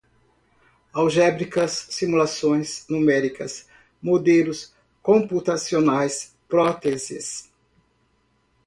Equações diferenciais, algébricas, simulações numéricas, modelos computacionais, próteses ósseas